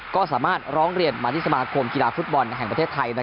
ก็สามารถร้องเรียนมาที่สมาคมกีฬาฟุตบอลแห่งประเทศไทย